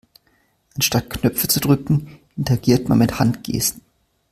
Anstatt Knöpfe zu drücken, interagiert man mit Handgesten.